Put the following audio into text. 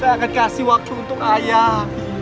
saya akan kasih waktu untuk ayah